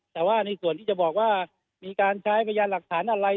แต่ว่าในส่วนที่จะบอกว่ามีการใช้พยานหลักฐานอะไร